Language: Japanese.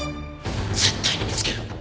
絶対に見つける。